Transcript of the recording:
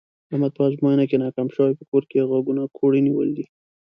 احمد په ازموینه کې ناکام شوی، په کور کې یې غوږونه کوړی نیولي دي.